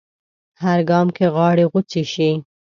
هر ګام کې غاړې غوڅې شي